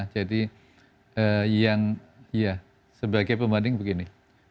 jadi yang ya sebagai pembanding begini